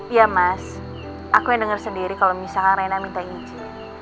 iya mas aku yang denger sendiri kalau misalkan reina minta izin